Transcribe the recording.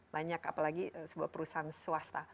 banyak apalagi sebuah perusahaan swasta